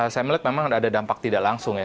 saya melihat memang ada dampak tidak langsung ya